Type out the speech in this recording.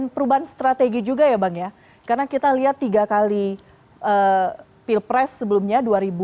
perubahan strategi juga ya bang karena kita lihat tiga kali pilpres sebelumnya